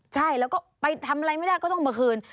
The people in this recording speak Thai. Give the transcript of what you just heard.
ใช่แล้วก็ไปทำอะไรไม่ได้ก็ต้องมาคืน